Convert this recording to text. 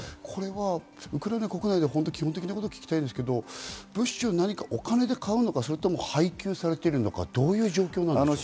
ウクライナ国内で基本的なことを聞きたいんですが、物資をお金で買うのか、配給されているのか、どういった状況なんですか？